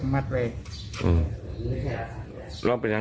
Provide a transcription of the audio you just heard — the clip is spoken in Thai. หัวใจมันหนัก